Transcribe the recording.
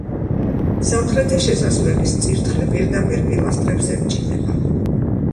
სამხრეთი შესასვლელის წირთხლი პირდაპირ პილასტრებს ებჯინება.